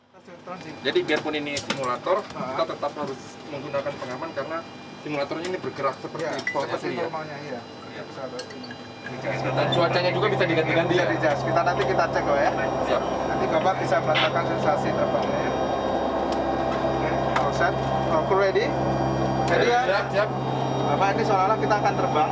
jadi biarpun ini simulator kita tetap harus menggunakan pengaman karena simulator ini bergerak seperti potensi normalnya